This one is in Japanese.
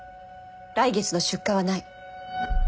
来月の出荷はない。